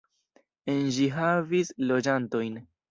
En ĝi havis loĝantojn.